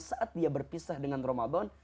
saat dia berpisah dengan ramadan